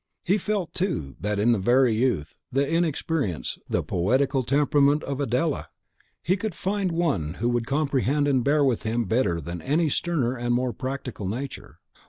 He felt, too, that in the very youth, the inexperience, the poetical temperament of Adela, he could find one who would comprehend and bear with him better than any sterner and more practical nature.